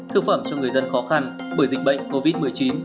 thực phẩm cho người dân khó khăn bởi dịch bệnh covid một mươi chín